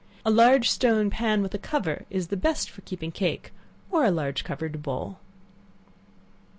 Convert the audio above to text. A large stone pan, with a cover, is the best for keeping cake, or a large covered bowl.